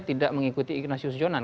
tidak mengikuti ignatius jonan